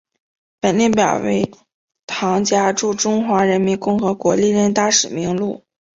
本列表为汤加驻中华人民共和国历任大使名录。